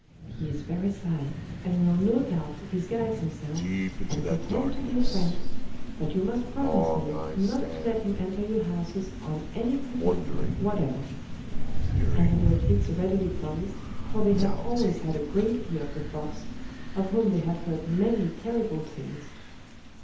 He is very sly and will no doubt disguise himself, and pretend to be a friend, but you must promise me not to let him enter your houses on any pretext whatever.' And the little pigs readily promised, for they had always had a great fear of the fox, of whom they had heard many terrible tales.